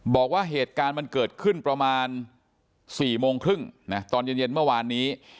บอกว่าเหตุการณ์มันเกิดขึ้นประมาณ๔โมงครึ่งนะตอนเย็นเมื่อวานนี้